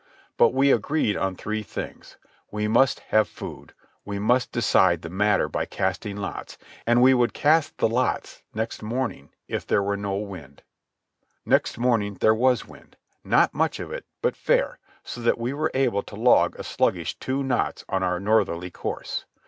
But we agreed on three things: we must have food; we must decide the matter by casting lots; and we would cast the lots next morning if there were no wind. Next morning there was wind, not much of it, but fair, so that we were able to log a sluggish two knots on our northerly course.